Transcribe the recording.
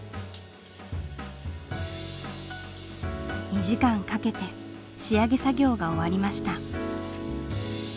２時間かけて仕上げ作業が終わりました。